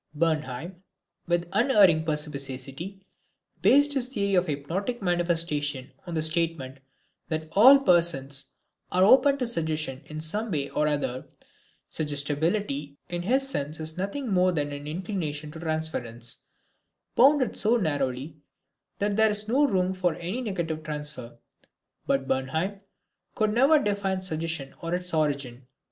Bernheim, with unerring perspicacity, based his theory of hypnotic manifestations on the statement that all persons are open to suggestion in some way or other. Suggestibility in his sense is nothing more than an inclination to transference, bounded so narrowly that there is no room for any negative transfer. But Bernheim could never define suggestion or its origin.